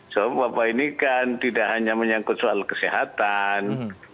soal wabah ini kan tidak hanya menyangkut soal kesehatan